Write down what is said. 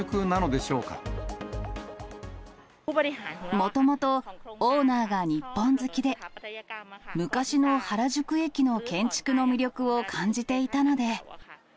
もともと、オーナーが日本好きで、昔の原宿駅の建築の魅力を感じていたので。